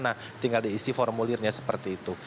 nah tinggal diisi formulirnya seperti itu